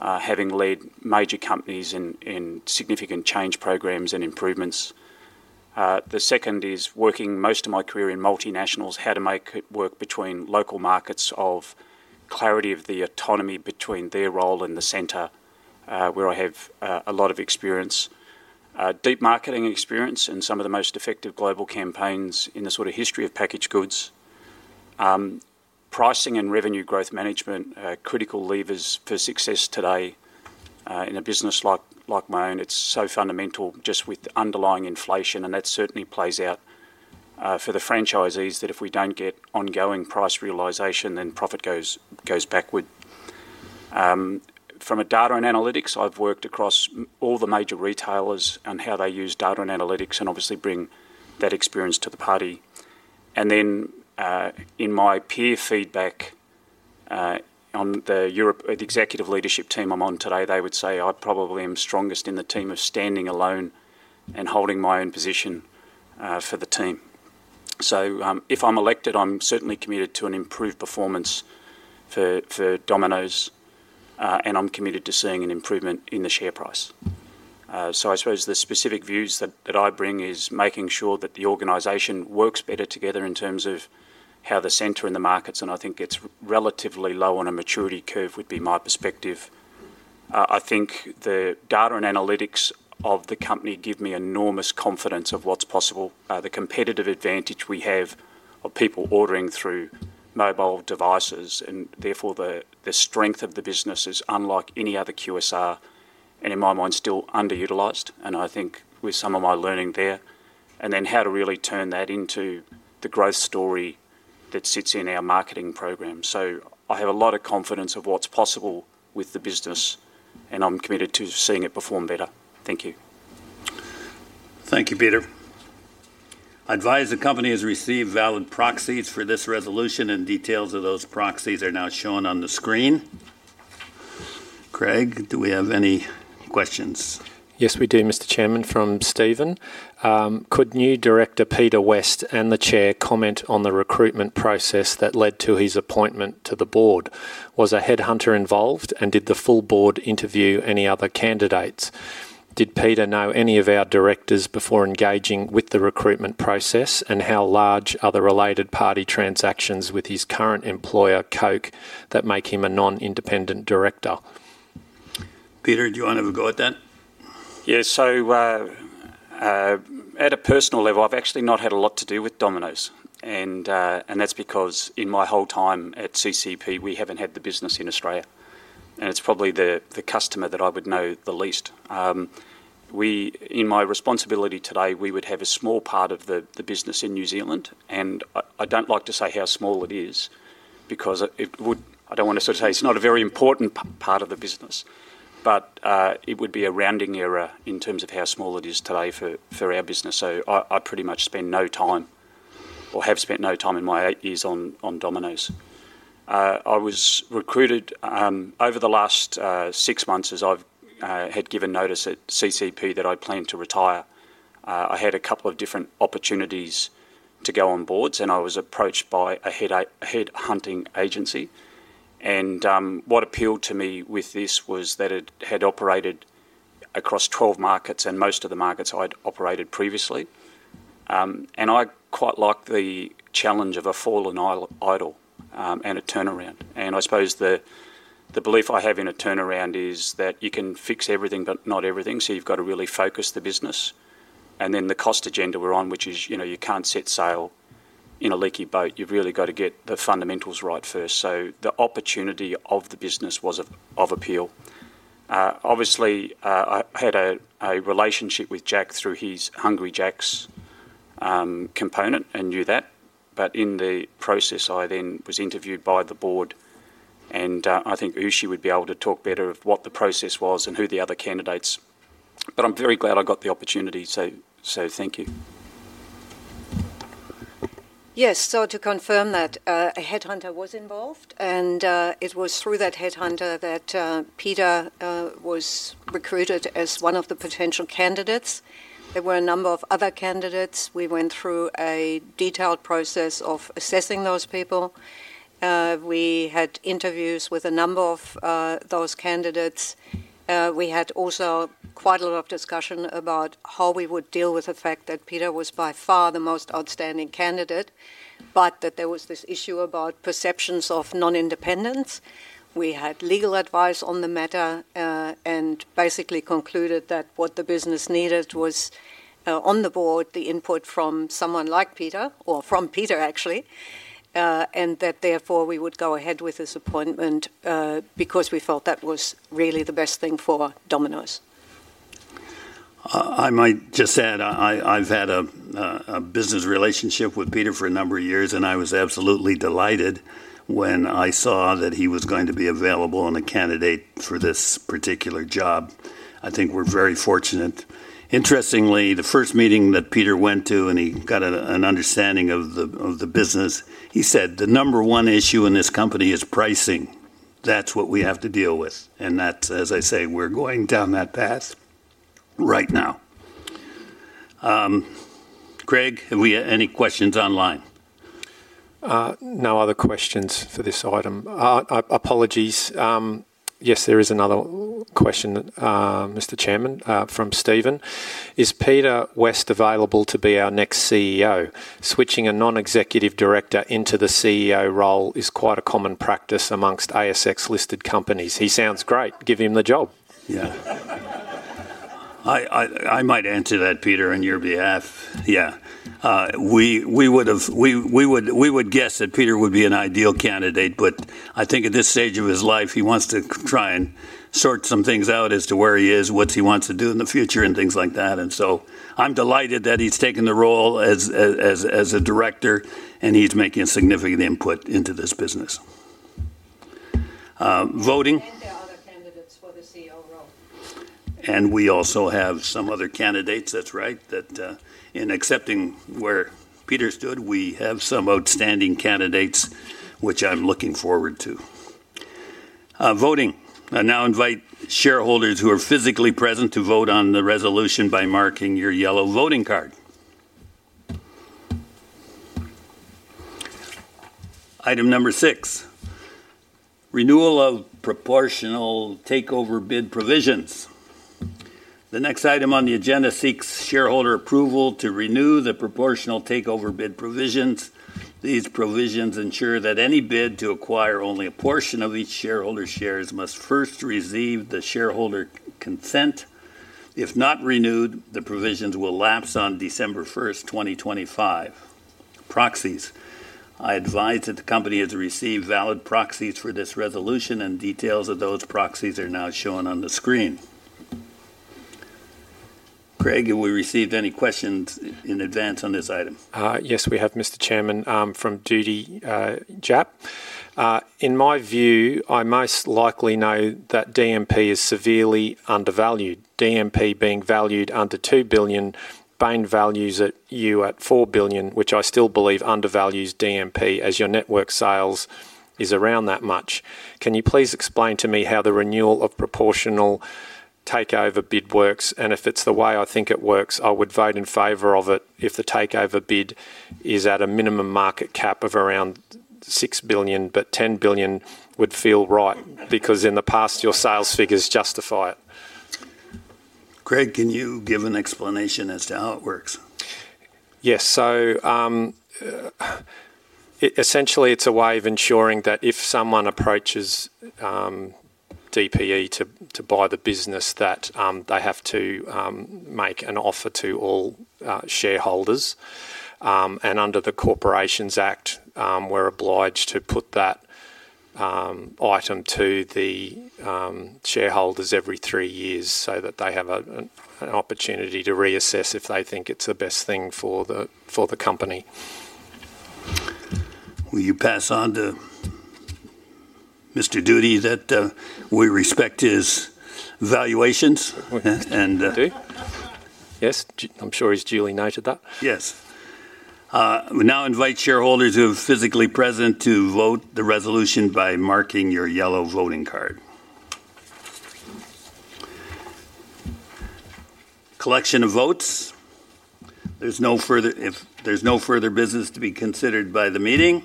S5: having led major companies in significant change programs and improvements. The second is working most of my career in multinationals, how to make it work between local markets of clarity of the autonomy between their role and the center, where I have a lot of experience, deep marketing experience in some of the most effective global campaigns in the sort of history of packaged goods, pricing and revenue growth management, critical levers for success today in a business like my own. It's so fundamental just with underlying inflation, and that certainly plays out for the franchisees that if we don't get ongoing price realization, then profit goes backward. From a data and analytics, I've worked across all the major retailers and how they use data and analytics and obviously bring that experience to the party. In my peer feedback on the executive leadership team I'm on today, they would say I probably am strongest in the team of standing alone and holding my own position for the team. If I'm elected, I'm certainly committed to an improved performance for Domino's, and I'm committed to seeing an improvement in the share price. I suppose the specific views that I bring is making sure that the organization works better together in terms of how the center in the markets, and I think it's relatively low on a maturity curve, would be my perspective. I think the data and analytics of the company give me enormous confidence of what's possible. The competitive advantage we have of people ordering through mobile devices and therefore the strength of the business is unlike any other QSR and in my mind still underutilized, and I think with some of my learning there, and then how to really turn that into the growth story that sits in our marketing program. I have a lot of confidence of what's possible with the business, and I'm committed to seeing it perform better. Thank you.
S1: Thank you, Peter. I advise the company has received valid proxies for this resolution, and details of those proxies are now shown on the screen. Craig, do we have any questions?
S2: Yes, we do, Mr. Chairman, from Steven. Could new director Peter West and the Chair comment on the recruitment process that led to his appointment to the board? Was a headhunter involved, and did the full board interview any other candidates? Did Peter know any of our directors before engaging with the recruitment process, and how large are the related party transactions with his current employer, Coca-Cola Europacific Partners, that make him a non-independent director?
S1: Peter, do you want to have a go at that?
S5: Yeah. At a personal level, I've actually not had a lot to do with Domino's. That's because in my whole time at CCP, we haven't had the business in Australia. It's probably the customer that I would know the least. In my responsibility today, we would have a small part of the business in New Zealand. I don't like to say how small it is because I don't want to sort of say it's not a very important part of the business, but it would be a rounding error in terms of how small it is today for our business. I pretty much spend no time or have spent no time in my eight years on Domino's. I was recruited over the last six months as I had given notice at CCP that I planned to retire. I had a couple of different opportunities to go on boards, and I was approached by a headhunting agency. What appealed to me with this was that it had operated across 12 markets and most of the markets I'd operated previously. I quite like the challenge of a fallen idol and a turnaround. I suppose the belief I have in a turnaround is that you can fix everything, but not everything. You have to really focus the business. The cost agenda we're on is you can't set sail in a leaky boat. You really have to get the fundamentals right first. The opportunity of the business was of appeal. Obviously, I had a relationship with Jack through his Hungry Jack's component and knew that. In the process, I then was interviewed by the board, and I think Uschi would be able to talk better of what the process was and who the other candidates were. I am very glad I got the opportunity. Thank you.
S4: Yes. To confirm that, a headhunter was involved, and it was through that headhunter that Peter was recruited as one of the potential candidates. There were a number of other candidates. We went through a detailed process of assessing those people. We had interviews with a number of those candidates. We had also quite a lot of discussion about how we would deal with the fact that Peter was by far the most outstanding candidate, but that there was this issue about perceptions of non-independence. We had legal advice on the matter and basically concluded that what the business needed was on the board, the input from someone like Peter or from Peter, actually, and that therefore we would go ahead with this appointment because we felt that was really the best thing for Domino's.
S1: I might just add, I've had a business relationship with Peter for a number of years, and I was absolutely delighted when I saw that he was going to be available on a candidate for this particular job. I think we're very fortunate. Interestingly, the first meeting that Peter went to and he got an understanding of the business, he said, "The number one issue in this company is pricing. That's what we have to deal with." That, as I say, we're going down that path right now. Craig, have we had any questions online?
S2: No other questions for this item. Apologies. Yes, there is another question, Mr. Chairman, from Steven. Is Peter West available to be our next CEO? Switching a non-executive director into the CEO role is quite a common practice amongst ASX-listed companies. He sounds great. Give him the job.
S1: Yeah. I might answer that, Peter, on your behalf. Yeah. We would guess that Peter would be an ideal candidate, but I think at this stage of his life, he wants to try and sort some things out as to where he is, what he wants to do in the future, and things like that. I am delighted that he's taken the role as a director, and he's making a significant input into this business. Voting.
S4: There are other candidates for the CEO role.
S1: We also have some other candidates. That's right. In accepting where Peter stood, we have some outstanding candidates, which I'm looking forward to. Voting. I now invite shareholders who are physically present to vote on the resolution by marking your yellow voting card. Item number six, renewal of proportional takeover bid provisions. The next item on the agenda seeks shareholder approval to renew the proportional takeover bid provisions. These provisions ensure that any bid to acquire only a portion of each shareholder's shares must first receive the shareholder consent. If not renewed, the provisions will lapse on December 1st, 2025. Proxies. I advise that the company has received valid proxies for this resolution, and details of those proxies are now shown on the screen. Craig, have we received any questions in advance on this item?
S2: Yes, we have, Mr. Chairman, from Judy Japp. In my view, I most likely know that DMP is severely undervalued. DMP being valued under $2 billion, Bain values it at $4 billion, which I still believe undervalues DMP as your network sales is around that much. Can you please explain to me how the renewal of proportional takeover bid works? If it's the way I think it works, I would vote in favor of it if the takeover bid is at a minimum market cap of around $6 billion, but $10 billion would feel right because in the past, your sales figures justify it.
S1: Craig, can you give an explanation as to how it works?
S2: Yes. Essentially, it's a way of ensuring that if someone approaches DPE to buy the business, they have to make an offer to all shareholders. Under the Corporations Act, we're obliged to put that item to the shareholders every three years so that they have an opportunity to reassess if they think it's the best thing for the company.
S1: Will you pass on to Mr. Judy that we respect his valuations?
S2: I do. Yes. I'm sure he's duly noted that.
S1: Yes. We now invite shareholders who are physically present to vote the resolution by marking your yellow voting card. Collection of votes. There is no further business to be considered by the meeting.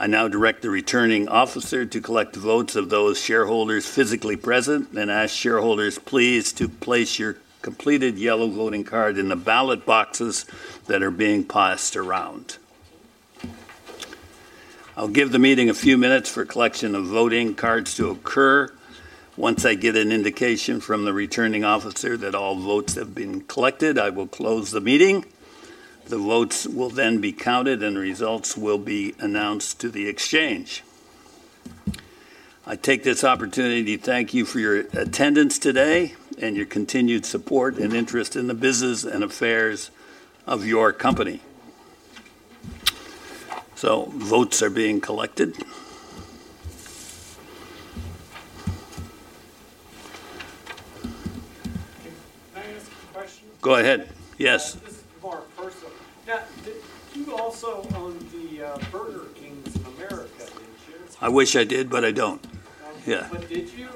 S1: I now direct the returning officer to collect votes of those shareholders physically present and ask shareholders, please, to place your completed yellow voting card in the ballot boxes that are being passed around. I will give the meeting a few minutes for collection of voting cards to occur. Once I get an indication from the returning officer that all votes have been collected, I will close the meeting. The votes will then be counted, and the results will be announced to the exchange. I take this opportunity to thank you for your attendance today and your continued support and interest in the business and affairs of your company. Votes are being collected.
S6: Can I ask a question?
S1: Go ahead. Yes.
S6: This is more personal. Now, did you also own the Burger King’s in America, didn’t you?
S1: I wish I did, but I don't.
S6: Did you?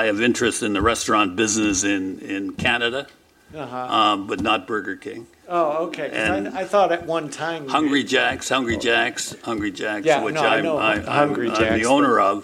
S1: I have interest in the restaurant business in Canada, but not Burger King.
S6: Oh, okay. I thought at one time.
S1: Hungry Jack's, which I'm the owner of,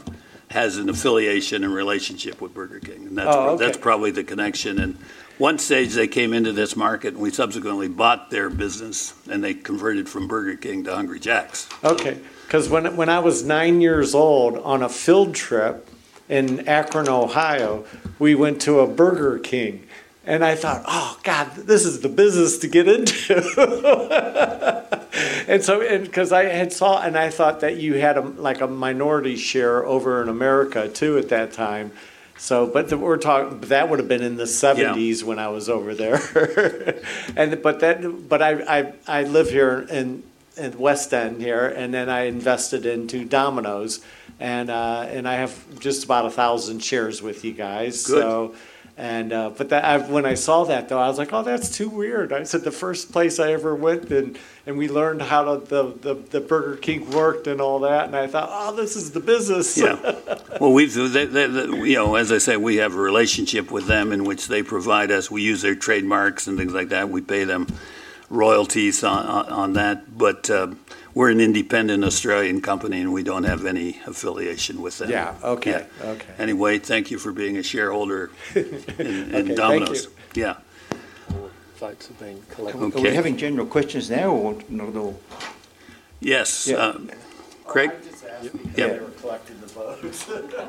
S1: has an affiliation and relationship with Burger King. That's probably the connection. At one stage, they came into this market, and we subsequently bought their business, and they converted from Burger King to Hungry Jack's.
S6: Okay. Because when I was nine years old on a field trip in Akron, Ohio, we went to a Burger King. I thought, "Oh, God, this is the business to get into." Because I had saw, and I thought that you had a minority share over in America too at that time. That would have been in the 1970s when I was over there. I live here in West End here, and then I invested into Domino's. I have just about 1,000 shares with you guys. When I saw that, though, I was like, "Oh, that's too weird." I said, "The first place I ever went, and we learned how the Burger King worked and all that." I thought, "Oh, this is the business.
S1: Yeah. As I say, we have a relationship with them in which they provide us. We use their trademarks and things like that. We pay them royalties on that. We are an independent Australian company, and we do not have any affiliation with them.
S6: Yeah. Okay.
S1: Anyway, thank you for being a shareholder in Domino's.
S6: Thank you.
S2: Yeah. Votes have been collected.
S1: Okay.
S7: We're having general questions now or not at all?
S1: Yes. Craig?
S8: I was just asking if they were collecting the votes.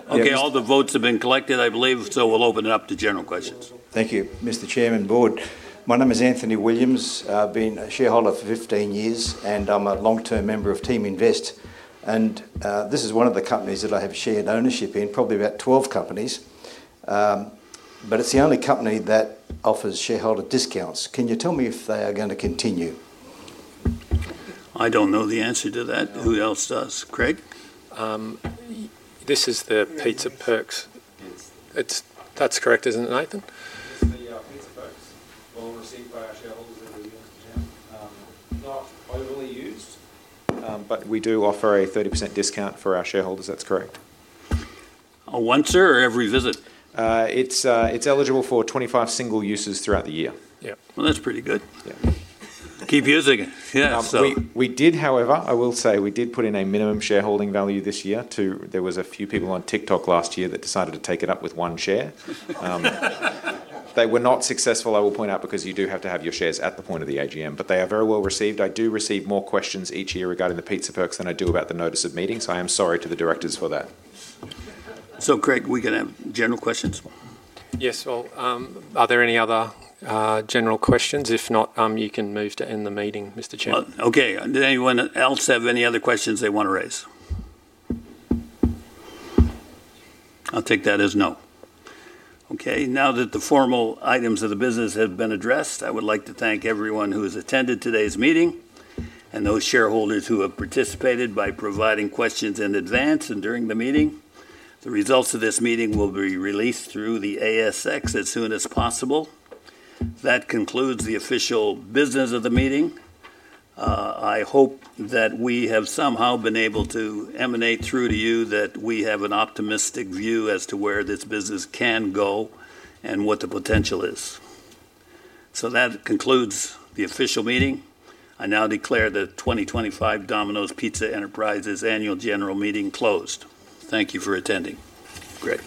S1: Okay. All the votes have been collected, I believe. We will open it up to general questions.
S7: Thank you, Mr. Chairman, board. My name is Anthony Williams. I've been a shareholder for 15 years, and I'm a long-term member of Team Invest. This is one of the companies that I have shared ownership in, probably about 12 companies. It is the only company that offers shareholder discounts. Can you tell me if they are going to continue?
S1: I don't know the answer to that. Who else does? Craig?
S2: This is the Pizza Perks. That's correct, isn't it, Nathan?
S8: This is the Pizza Perks. Well received by our shareholders over the years, Mr. Chairman. Not overly used, but we do offer a 30% discount for our shareholders. That's correct.
S1: Once or every visit?
S8: It's eligible for 25 single uses throughout the year.
S7: Yeah. That's pretty good. Yeah.
S1: Keep using it. Yeah.
S8: We did, however, I will say, we did put in a minimum shareholding value this year too. There were a few people on TikTok last year that decided to take it up with one share. They were not successful, I will point out, because you do have to have your shares at the point of the AGM, but they are very well received. I do receive more questions each year regarding the Pizza Perks than I do about the notice of meetings. I am sorry to the directors for that.
S1: Craig, we're going to have general questions.
S2: Yes. Are there any other general questions? If not, you can move to end the meeting, Mr. Chairman.
S1: Okay. Does anyone else have any other questions they want to raise? I'll take that as no. Okay. Now that the formal items of the business have been addressed, I would like to thank everyone who has attended today's meeting and those shareholders who have participated by providing questions in advance and during the meeting. The results of this meeting will be released through the ASX as soon as possible. That concludes the official business of the meeting. I hope that we have somehow been able to emanate through to you that we have an optimistic view as to where this business can go and what the potential is. That concludes the official meeting. I now declare the 2025 Domino's Pizza Enterprises Annual General Meeting closed. Thank you for attending. Great.